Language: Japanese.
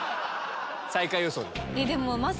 最下位予想です。